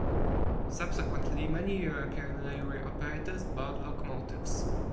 Subsequently many European railway operators bought locomotives.